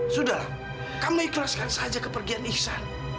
sudahlah kamu ikhlaskan saja kepergian iksan